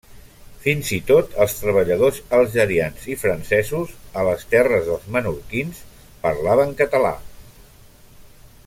Fins i tot els treballadors algerians i francesos a les terres dels menorquins parlaven català.